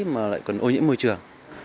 mà lại còn ô nhiễm môi trường